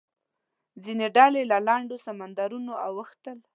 ځینې ډلې له لنډو سمندرونو اوښتل.